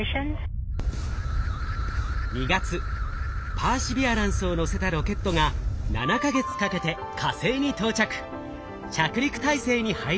パーシビアランスを載せたロケットが７か月かけて火星に到着。